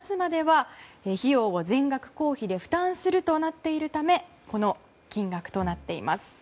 この治療薬は高額なため９月末までは費用を全額公費で負担するとなっているためこの金額となっています。